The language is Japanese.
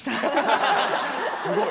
すごい。